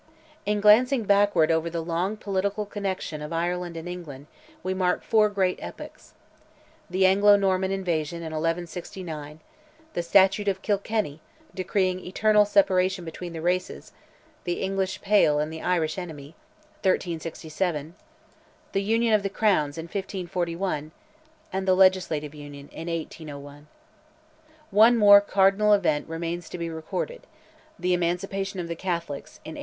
In glancing backward over the long political connexion of Ireland and England, we mark four great epochs. The Anglo Norman invasion in 1169; the statute of Kilkenny decreeing eternal separation between the races, "the English pale" and "the Irish enemy," 1367; the Union of the Crowns, in 1541, and the Legislative Union, in 1801. One more cardinal event remains to be recorded—the Emancipation of the Catholics, in 1829.